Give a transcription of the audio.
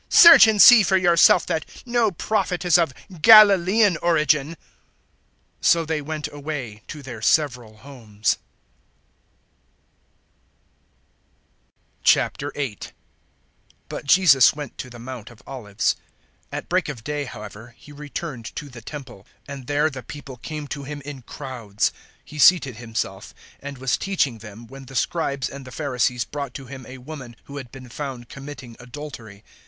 "Search and see for yourself that no Prophet is of Galilaean origin." 007:053 [So they went away to their several homes; 008:001 but Jesus went to the Mount of Olives. 008:002 At break of day however He returned to the Temple, and there the people came to Him in crowds. He seated Himself; 008:003 and was teaching them when the Scribes and the Pharisees brought to Him a woman who had been found committing adultery.